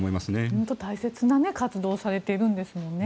本当に大切な活動をされているんですもんね。